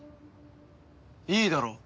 いいだろう。